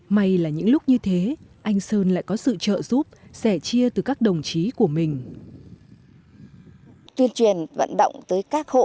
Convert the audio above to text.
may là những lúc như thế anh sơn lại có sức mạnh